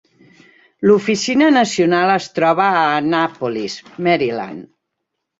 L'oficina nacional es troba a Annapolis, Maryland.